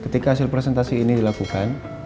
ketika hasil presentasi ini dilakukan